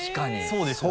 そうですよね？